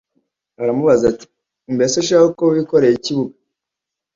aramubaza ati:”Mbe shahu ko wikoreye ikibuga